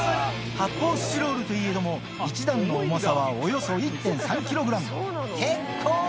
発泡スチロールといえども１段の重さはおよそ１．３キログラム。